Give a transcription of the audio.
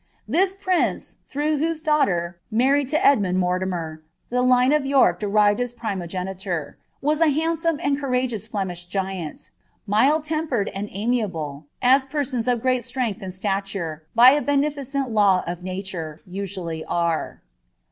Thid prince, tlirough wliiMe daughter, married to Edmund MwtinMr, the line of York denved tlieir primogeniture, was a handaonie and «»■ rageoua Flemish giant ; mild tempered and amiable, aa pervoni of pfll strength and stature^ by a beneficent law of nature, usually are.